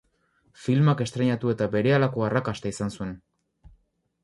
Filmak estreinatu eta berehalako arrakasta izan zuen.